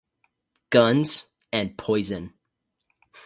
Guns, and Poison.